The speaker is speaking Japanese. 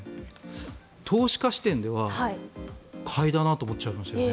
投資家視点では、買いだなと思っちゃいましたけどね。